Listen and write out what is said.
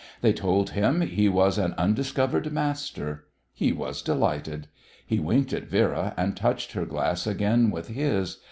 They told him he was an undiscovered master. He was delighted. He winked at Vera and touched her glass again with his.